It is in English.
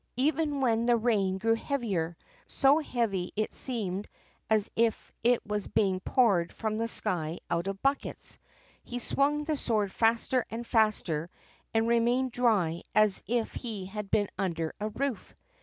Even when the rain grew heavier, so heavy that it seemed as if it was being poured from the sky out of buckets, he swung the sword faster and faster, and remained as dry as if he had been under a roof.